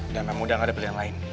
dan memudah gak ada beli yang lain